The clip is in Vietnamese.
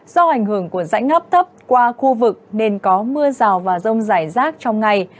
do ảnh hưởng của rãnh ấp thấp qua khu vực nên có mưa rào và rông rải rác trong ngày